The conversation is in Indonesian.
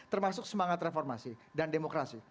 termasuk semangat reformasi dan demokrasi